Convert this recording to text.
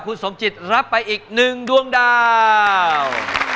คุณสมจิตรับไปอีก๑ดวงดาว